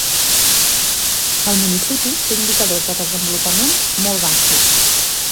El municipi té indicadors de desenvolupament molt baixos.